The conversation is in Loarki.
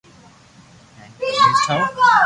ھون قميس ٺاو